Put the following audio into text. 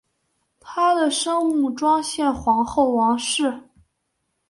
她的生母庄宪皇后王氏。